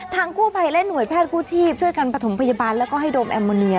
ทางคู่ภัยและหน่วยแพทย์คู่ชีพช่วยกันปฐมพยาบาลและก็ให้ดมแอมโมเนีย